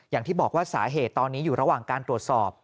อย่างที่บอกว่าสาเหตุตอนนี้อยู่ระหว่างการตรวจสอบ